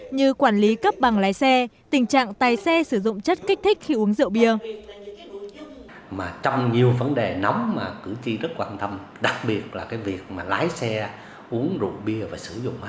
như quản lý cấp bằng lái xe tình trạng tài xe sử dụng chất kích thích khi uống rượu bia